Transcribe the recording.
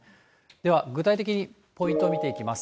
では、具体的にポイントを見ていきます。